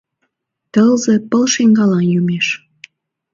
Тылзе пыл шеҥгелан йомеш.